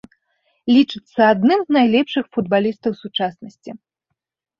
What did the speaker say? Лічыцца адным з найлепшых футбалістаў сучаснасці.